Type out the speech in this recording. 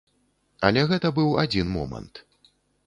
Але гэта быў адзін момант.